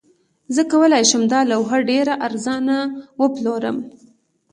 زه کولی شم دا لوحه ډیره ارزانه وپلورم